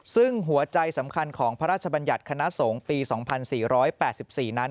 ซึ่งหัวใจสำคัญของพระราชบัญญัติคณะสงฆ์ปี๒๔๘๔นั้น